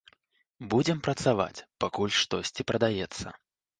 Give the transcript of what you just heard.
Будзем працаваць, пакуль штосьці прадаецца.